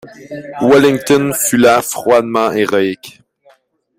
Wellington fut là froidement héroïque.